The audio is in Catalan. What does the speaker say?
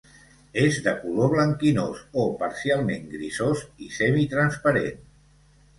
És de color blanquinós o parcialment grisós i semitransparent.